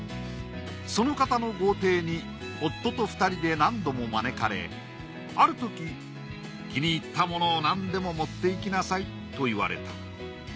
その方の豪邸に夫と２人で何度も招かれある時気に入ったものをなんでも持っていきなさいと言われた。